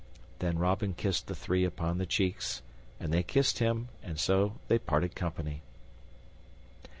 Then Robin kissed the three upon the cheeks, and they kissed him, and so they parted company.